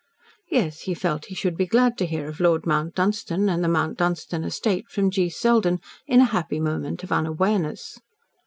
Yes, he felt he should be glad to hear of Lord Mount Dunstan and the Mount Dunstan estate from G. Selden in a happy moment of unawareness.